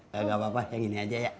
gak apa apa yang ini aja ya